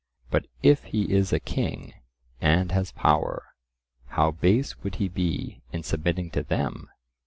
But if he is a king, and has power, how base would he be in submitting to them!